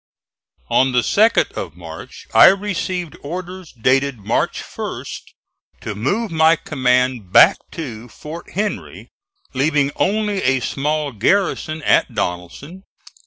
On the 2d of March I received orders dated March 1st to move my command back to Fort Henry, leaving only a small garrison at Donelson.